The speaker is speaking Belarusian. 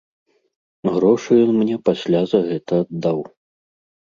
Грошы ён мне пасля за гэта аддаў.